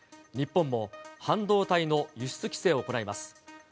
日本も半導体の輸出規制を行います。